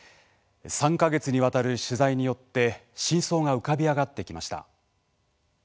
３か月にわたる取材によって真相が浮かび上がってきました。